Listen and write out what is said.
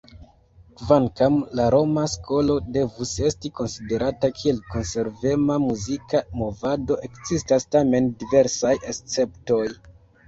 Kvankam la "Roma Skolo" devus esti konsiderata kiel konservema muzika movado, ekzistas tamen diversaj esceptoj.